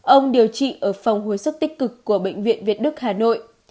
ông điều trị ở phòng hồi sức tích cực của bệnh viện việt đức hà nội